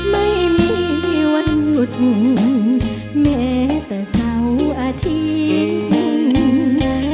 ไม่มีวันหยุดแม้แต่เสาร์อาทิตย์หนึ่ง